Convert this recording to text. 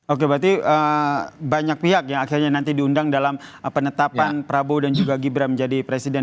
oke berarti banyak pihak yang akhirnya nanti diundang dalam penetapan prabowo dan juga gibran menjadi presiden